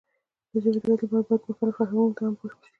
د ژبې د وده لپاره باید مختلفو فرهنګونو ته هم پام وشي.